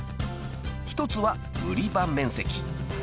［一つは売り場面積］